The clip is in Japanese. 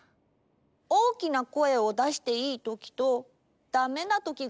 大きな声をだしていいときとダメなときがあるってこと？